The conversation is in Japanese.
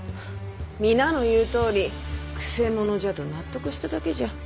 皆の言うとおりくせ者じゃと納得しただけじゃ。